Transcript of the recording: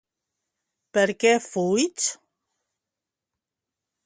Perquè fuig?